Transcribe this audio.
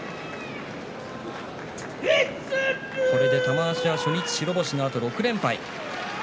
これで玉鷲は初日白星のあと６連敗。